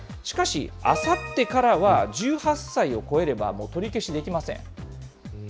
しかし、あさってからは、１８歳を超えれば、もう取り消しできません。